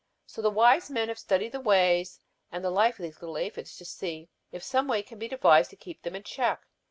"So the wise men have studied the ways and life of these little aphids to see if some way can be devised to keep them in check.